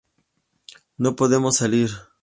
No podemos salir.